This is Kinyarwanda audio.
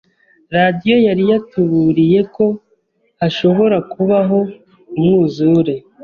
Radiyo yari yatuburiye ko hashobora kubaho umwuzure.